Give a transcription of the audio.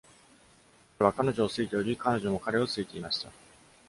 彼は彼女を好いており、彼女も彼を好いていました。